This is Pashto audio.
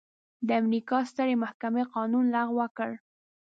د امریکا سترې محکمې قانون لغوه کړ.